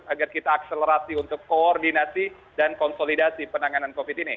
agar kita akselerasi untuk koordinasi dan konsolidasi penanganan covid ini